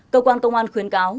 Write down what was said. cơ quan công an khuyến cáo